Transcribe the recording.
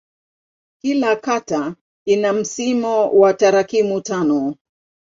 Kila kata ina msimbo wa tarakimu tano.